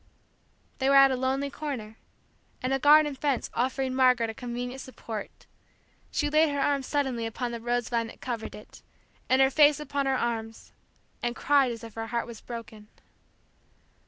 They were at a lonely corner, and a garden fence offering Margaret a convenient support, she laid her arms suddenly upon the rosevine that covered it, and her face upon her arms, and cried as if her heart was broken.